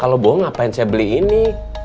kalau bohong ngapain saya beli ini